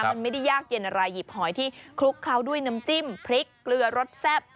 มันไม่ได้ยากเย็นอะไรหยิบหอยที่คลุกเคล้าด้วยน้ำจิ้มพริกเกลือรสแซ่บ